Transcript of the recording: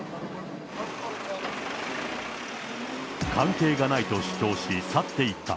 関係がないと主張し、去っていった。